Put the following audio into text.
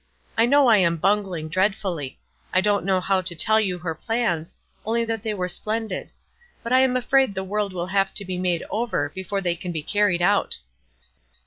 I know I am bungling dreadfully; I don't know how to tell you her plans, only that they were splendid. But I am afraid the world will have to be made over, before they can be carried out."